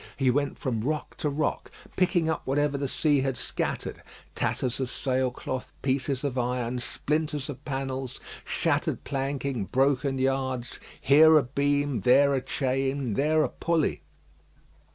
He went from rock to rock, picking up whatever the sea had scattered tatters of sail cloth, pieces of iron, splinters of panels, shattered planking, broken yards here a beam, there a chain, there a pulley.